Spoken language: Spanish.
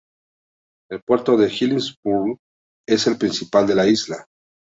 El puerto en Hillsborough es el principal de la isla.